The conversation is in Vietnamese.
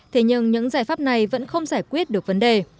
thế nhưng những giải pháp này vẫn không giải quyết được vấn đề